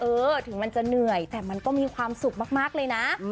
เออถึงมันจะเหนื่อยแต่มันก็มีความสุขมากเลยนะ